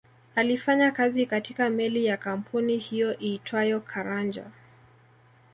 Alifanya kazi katika meli ya kampuni hiyo iitwayo Caranja